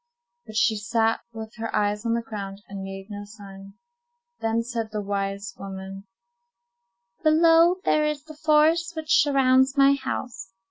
But she sat with her eyes on the ground, and made no sign. Then said the wise woman:— "Below there is the forest which surrounds my house.